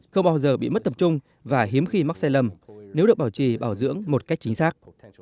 không bao giờ bị mất tập trung và hiếm khi mắc sai lầm nếu được bảo trì bảo dưỡng một cách chính xác